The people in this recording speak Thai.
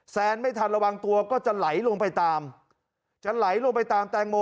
แซนไม่ทันระวังตัวก็จะไหลลงไปตามจะไหลลงไปตามแตงโม